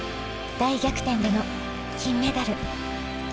大逆転での金メダル。